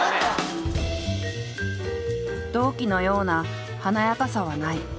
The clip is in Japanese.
同期のような華やかさはない。